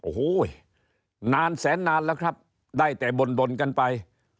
โอ้โหนานแสนนานแล้วครับได้แต่บ่นกันไป